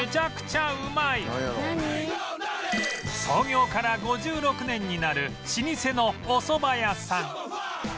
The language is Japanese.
創業から５６年になる老舗のおそば屋さん